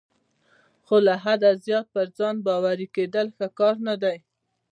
خو له حده زیات پر ځان باوري کیدل ښه کار نه دی.